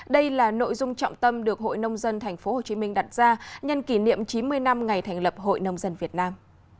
đây là nội dung trọng tâm được hội nông dân tp hcm đặt ra nhân kỷ niệm chín mươi năm ngày thành lập hội nông dân việt nam